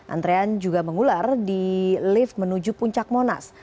antrean juga mengular di lift menuju puncak monas